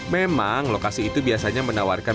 memang lokasi itu biasanya menawarkan